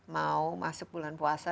mau masuk bulan puasa